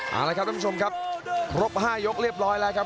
เอาละครับท่านผู้ชมครับครบ๕ยกเรียบร้อยแล้วครับ